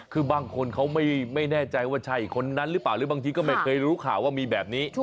คือบางคนเขาไม่แน่ใจว่าใช่คนนั้นหรือเปล่าหรือบางทีก็ไม่เคยรู้ข่าวว่ามีแบบนี้